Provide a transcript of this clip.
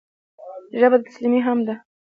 ژبه د تسلیمۍ ژبه هم ده